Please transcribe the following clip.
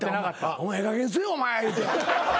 お前ええかげんにせえ言うて。